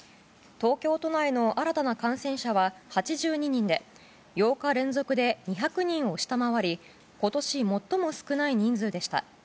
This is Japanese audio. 東京都内の新たな感染者は８２人で８日連続で２００人を下回り今年、最も少ない人数でした。